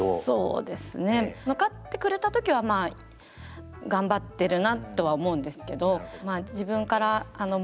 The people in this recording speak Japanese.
そうですね。向かってくれた時はまあ頑張ってるなとは思うんですけど。